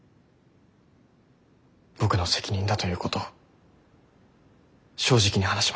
僕の責任だということを正直に話します。